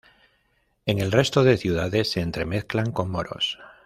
En el resto de ciudades, se entremezclan con moros".